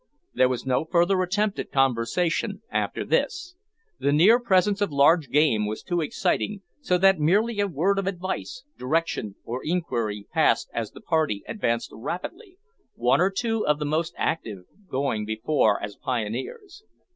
There was no further attempt at conversation after this. The near presence of large game was too exciting, so that merely a word of advice, direction, or inquiry, passed as the party advanced rapidly one or two of the most active going before as pioneers.